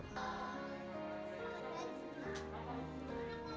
ketika mereka sudah selesai mencari jalan mereka akan menunggu